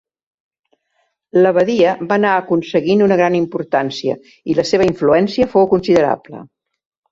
L'abadia va anar aconseguint una gran importància i la seva influència fou considerable.